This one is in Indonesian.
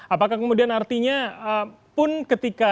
apakah kemudian artinya pun ketika